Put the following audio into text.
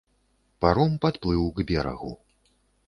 Паром падплыў к берагу.